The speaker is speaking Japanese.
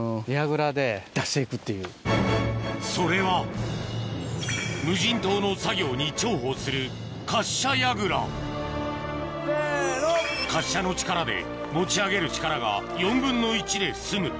それは無人島の作業に重宝する滑車の力で持ち上げる力が４分の１で済む